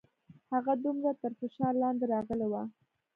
هغه دومره تر فشار لاندې راغلې وه.